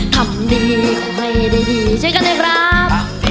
ทำดีขอให้ดีช่วยกันด้วยครับ